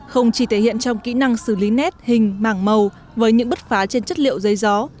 không chỉ thể hiện trong kỹ năng xử lý nét hình màng màu với những bất phá trên chất liệu dây gió